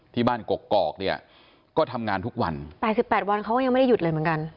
ที่บ้านกกอกเนี่ยก็ทำงานทุกวัน๘๘วันเขาก็ยังไม่ได้หยุดเลยเหมือนกัน